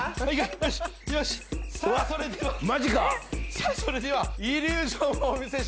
さあそれではイリュージョンをお見せしましょう。